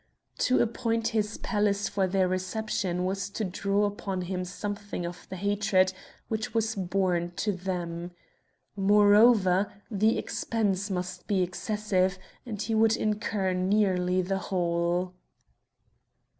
To appoint his palace for their reception was to draw upon him something of the hatred which was borne to them. Moreover, the expense must be excessive, and he would incur nearly the whole.